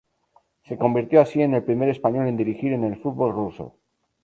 Se convirtió así en el primer español en dirigir en el fútbol ruso.